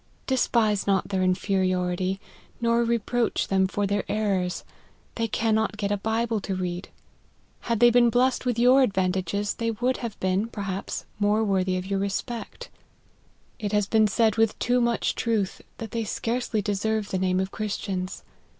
Despise not their inferiority, nor reproach them for their errors ; they cannot get a Bible to read. Had they been blessed with your advantages, they would have been, per haps, more worthy of your respect. It has been LIFE OF HENRY MARTYN. 131 said with too much truth, that they scarcely deserve the name of Christians.